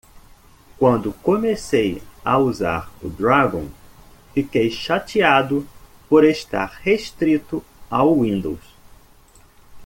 Quando comecei a usar o Dragon?, fiquei chateado por estar restrito ao Windows.